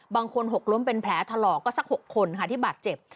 บางคนหกล้มเป็นแผลทะเลาะก็สัก๖คนที่บาดเจ็บ